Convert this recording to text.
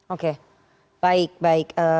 oke baik baik